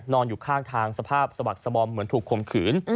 อยู่ข้างทางสภาพสะบักสบอมเหมือนถูกข่มขืน